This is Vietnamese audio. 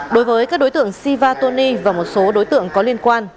đối với các đối tượng siva tony và một số đối tượng có liên quan